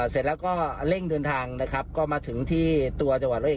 เสร็จแล้วก็เร่งเดินทางนะครับก็มาถึงที่ตัวจังหวัดร้อยเอก